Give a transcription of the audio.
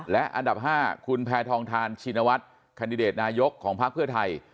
และอันดับ๕คุณแพทองทานชินวัฒน์แคนดิเดตนายกของพักเพื่อไทย